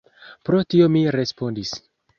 Pro tio mi respondis.